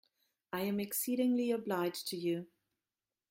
I am exceedingly obliged to you.